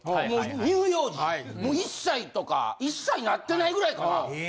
もう１歳とか１歳なってないぐらいかな？